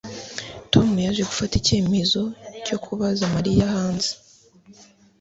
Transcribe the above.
Tom yaje gufata icyemezo cyo kubaza Mariya hanze